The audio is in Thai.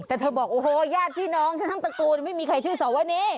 แต่เธอบอกโอ้โหญาติพี่น้องฉันทั้งตระกูลไม่มีใครชื่อสวนี